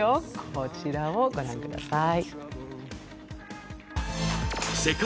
こちらをご覧ください。